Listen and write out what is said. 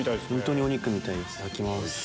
本当にお肉みたいです！